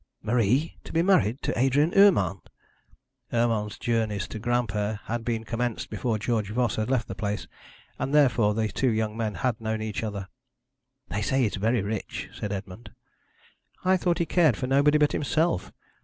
'Marie to be married to Adrian Urmand?' Urmand's journeys to Granpere had been commenced before George Voss had left the place, and therefore the two young men had known each other. 'They say he's very rich,' said Edmond. 'I thought he cared for nobody but himself.